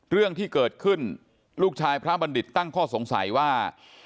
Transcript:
เรื่องที่เกิดขึ้นลูกชายพระบัณฑิตตั้งข้อสงสัยว่า